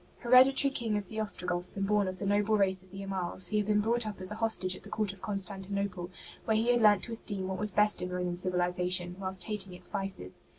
'' Hereditary King of the Ostrogoths, and born of the noble race of the Amals, he had been brought up as a hostage at the court of Constantinople, where he had learnt to esteem what was best in Roman civilization, whilst hating its vices.